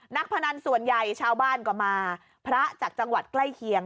พนันส่วนใหญ่ชาวบ้านก็มาพระจากจังหวัดใกล้เคียง